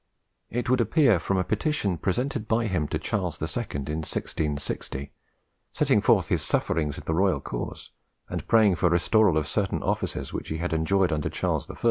It would appear from a petition presented by him to Charles II. in 1660, setting forth his sufferings in the royal cause, and praying for restoral to certain offices which he had enjoyed under Charles I.